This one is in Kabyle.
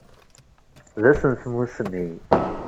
D ass n tmussni.